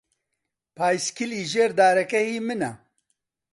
پایسکلی ژێر دارەکە هیی منە.